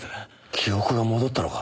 記憶が戻ったのか？